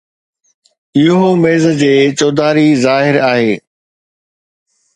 اهو ميز جي چوڌاري ظاهر آهي.